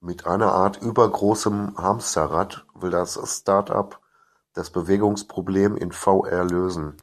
Mit einer Art übergroßem Hamsterrad, will das Startup das Bewegungsproblem in VR lösen.